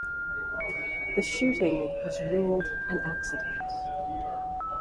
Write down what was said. The shooting was ruled an accident.